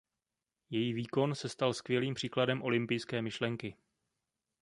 Její výkon se stal skvělým příkladem olympijské myšlenky.